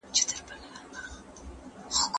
د ګوند مشران بندي شول.